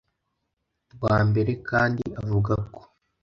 rwa mbere kandi avugako